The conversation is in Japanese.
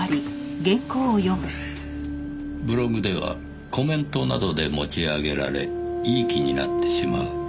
「ブログではコメントなどで持ち上げられいい気になってしまう」